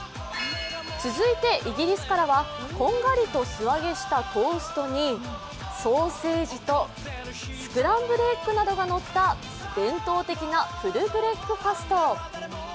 続いてイギリスからはこんがりと素揚げしたトーストにソーセージとスクランブルエッグなどがのった伝統的なフルブレックファスト。